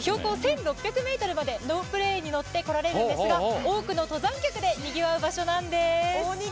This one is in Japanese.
標高１６００ｍまでロープウェーに乗ってこられるんですが多くの登山客で賑わう場所なんです。